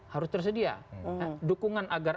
harus tersedia dukungan agar